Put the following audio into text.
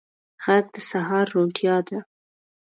غږ د سهار روڼتیا ده